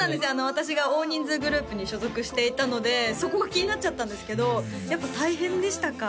私が大人数グループに所属していたのでそこが気になっちゃったんですけどやっぱ大変でしたか？